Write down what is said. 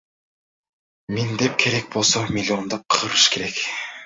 Миңдеп, керек болсо миллиондоп кырыш керек.